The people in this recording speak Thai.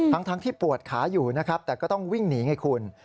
ทั้งที่ปวดขาอยู่นะครับแต่ก็ต้องวิ่งหนีไงคุณ